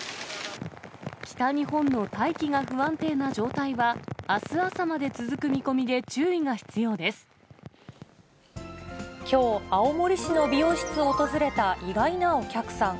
北日本の大気が不安定な状態はあす朝まで続く見込みで、注意が必きょう、青森市の美容室を訪れた意外なお客さん。